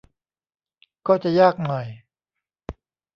ก็จะยากหน่อย